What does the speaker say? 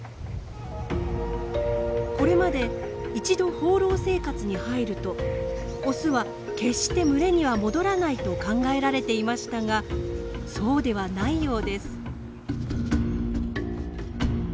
これまで一度放浪生活に入るとオスは決して群れには戻らないと考えられていましたがそうではないようです。